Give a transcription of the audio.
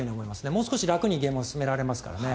もう少し楽にゲームを進められますからね。